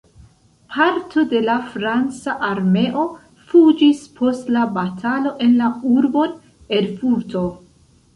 Parto de la franca armeo fuĝis post la batalo en la urbon Erfurto.